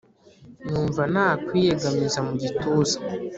Numva nakwiyegamiza mugituza